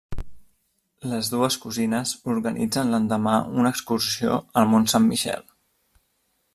Les dues cosines organitzen l'endemà una excursió al Mont Saint-Michel.